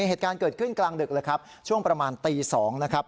เหตุการณ์เกิดขึ้นกลางดึกเลยครับช่วงประมาณตี๒นะครับ